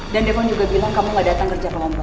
dan depon juga bilang kamu gak datang kerja kelompok